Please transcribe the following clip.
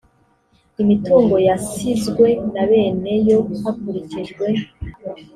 imitungo yasizwe na bene yo hakurikijwe